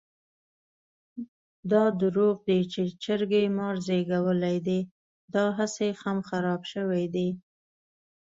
دا درواغ دي چې چرګې مار زېږولی دی؛ داهسې خم خراپ شوی دی.